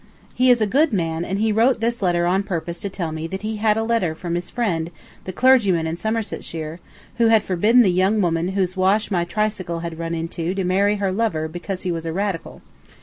He is a good man, and he wrote this letter on purpose to tell me that he had had a letter from his friend, the clergyman in Somersetshire, who had forbidden the young woman whose wash my tricycle had run into to marry her lover because he was a Radical.